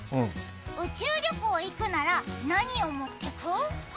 宇宙旅行行くなら何を持ってく？